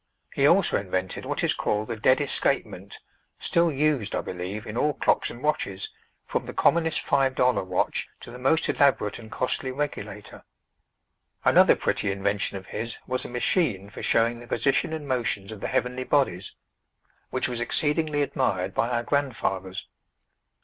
He also invented what is called the "dead escapement," still used, I believe, in all clocks and watches, from the commonest five dollar watch to the most elaborate and costly regulator. Another pretty invention of his was a machine for showing the position and motions of the heavenly bodies, which was exceedingly admired by our grandfathers.